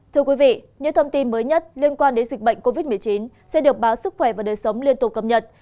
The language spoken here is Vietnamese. thưa quý vị những thông tin mới nhất liên quan đến dịch bệnh covid một mươi chín sẽ được báo sức khỏe và đời sống liên tục cập nhật